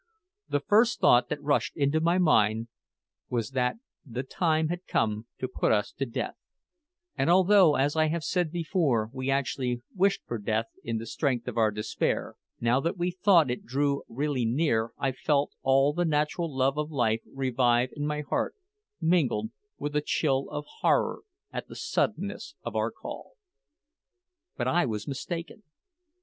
The first thought that rushed into my mind was that the time had come to put us to death; and although, as I have said before, we actually wished for death in the strength of our despair, now that we thought it drew really near I felt all the natural love of life revive in my heart, mingled with a chill of horror at the suddenness of our call. But I was mistaken.